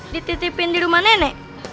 dititipin di rumah nenek